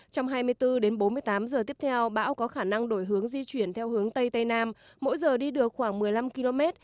trong hai mươi bốn đến bốn mươi tám giờ tiếp theo bão có khả năng đổi hướng di chuyển theo hướng tây tây nam mỗi giờ đi được khoảng một mươi năm km